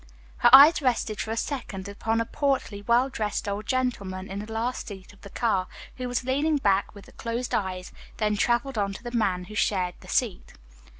Her eye rested for a second upon a portly, well dressed old gentleman in the last seat of the car, who was leaning back with closed eyes, then traveled on to the man who shared the seat.